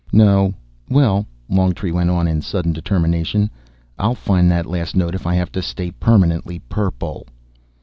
"No. Well," Longtree went on in sudden determination, "I'll find that last note if I have to stay permanently purple."